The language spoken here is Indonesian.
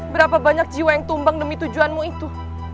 berapa banyak jiwa yang tumbang demi tujuanmu itu